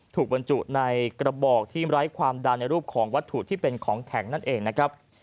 บรรจุในกระบอกที่ไร้ความดันในรูปของวัตถุที่เป็นของแข็งนั่นเองนะครับ